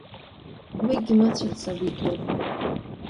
Уигьы мыцәарц агәы иҭоуп.